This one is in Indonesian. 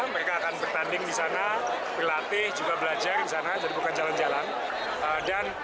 mereka akan bertanding di sana berlatih juga belajar di sana jadi bukan jalan jalan